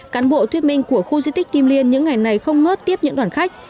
cán bộ thuyết minh của khu di tích kim liên những ngày này không ngớt tiếp những đoàn khách